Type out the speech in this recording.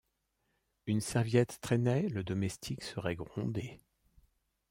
Une serviette traînait, le domestique serait grondé.